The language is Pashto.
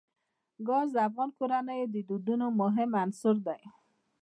ګاز د افغان کورنیو د دودونو مهم عنصر دی.